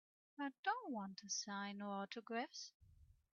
I don't wanta sign no autographs.